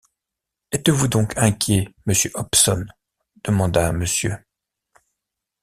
Êtes-vous donc inquiet, monsieur Hobson? demanda Mrs.